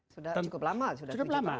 sudah cukup lama